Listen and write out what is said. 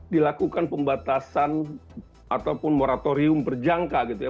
dilakukan pembatasan ataupun moratorium perjangka gitu ya